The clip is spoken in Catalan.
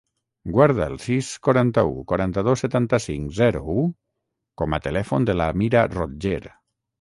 Guarda el sis, quaranta-u, quaranta-dos, setanta-cinc, zero, u com a telèfon de l'Amira Rotger.